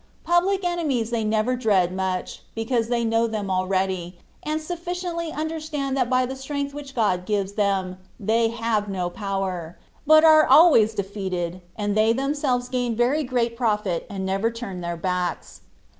Public enemies they never dread much, because they know them already, and sufficiently understand that by the strength which God gives them they have no power, but are always drfeated, and they themselves gain very great profit and never turn their backs.